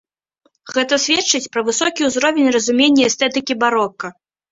Гэта сведчыць пра высокі ўзровень разумення эстэтыкі барока.